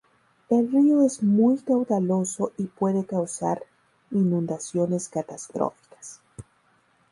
El río es muy caudaloso y puede causar inundaciones catastróficas.